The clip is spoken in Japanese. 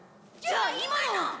じゃあ今の！